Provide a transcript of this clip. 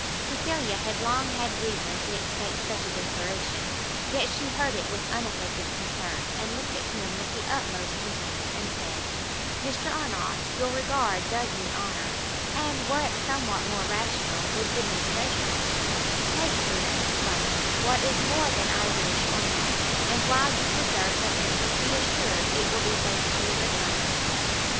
Cecilia had long had reason to expect such a declaration, yet she heard it with unaffected concern, and looking at him with the utmost gentleness, said "Mr Arnott, your regard does me honour, and, were it somewhat more rational, would give me pleasure; take, then, from it what is more than I wish or merit, and, while you preserve the rest, be assured it will be faithfully returned."